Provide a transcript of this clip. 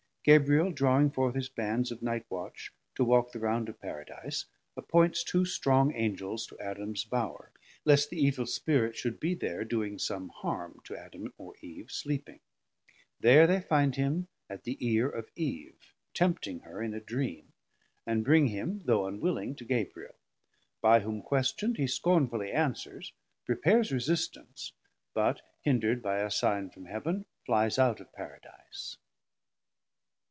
Gabriel drawing forth his Bands of Night watch to walk the round of Paradise, appoints two strong Angels to Adams Bower, least the evill spirit should be there doing some harm to Adam or Eve sleeping; there they find him at the ear of Eve, tempting her in a dream, and bring him, though unwilling, to Gabriel; by whom question'd he scornfully answers, prepares resistance, but hinder'd by a Sign from Heaven, flies out of Paradise.